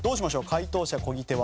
解答者漕ぎ手は。